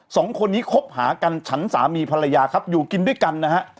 สองคนนี้คบหากันฉันสามีภรรยาครับอยู่กินด้วยกันนะฮะ